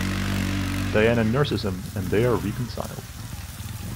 Diana nurses him and they are reconciled.